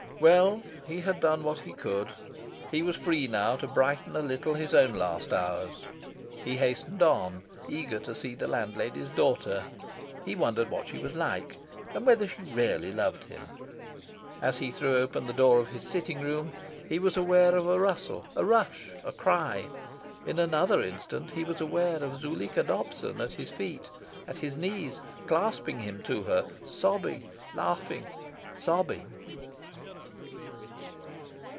Well he had done what he could. He was free now to brighten a little his own last hours. He hastened on, eager to see the landlady's daughter. He wondered what she was like, and whether she really loved him. As he threw open the door of his sitting room, he was aware of a rustle, a rush, a cry. In another instant, he was aware of Zuleika Dobson at his feet, at his knees, clasping him to her, sobbing, laughing, sobbing.